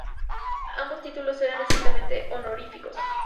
Ambos títulos eran estrictamente honoríficos.